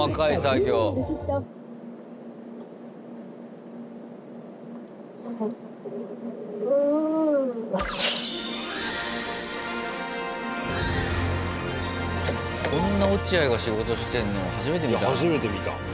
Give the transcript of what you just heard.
いや初めて見た。